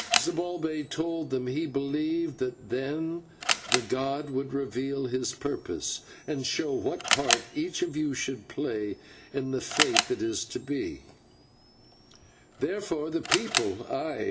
Zibalbay told them that he believed that then the god would reveal his purpose, and show what part each of you should play in the fate that is to be, and therefore the people aye!